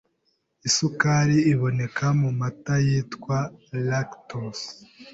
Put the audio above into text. Isukari iboneka mu mata yitwa lactose